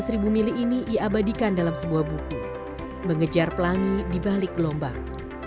kisah pemilih ini diabadikan dalam sebuah buku mengejar pelangi di balik gelombang